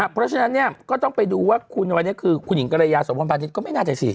เพราะฉะนั้นเนี่ยก็ต้องไปดูว่าคุณวันนี้คือคุณหญิงกรยาสมพรพาณิชย์ก็ไม่น่าจะสิ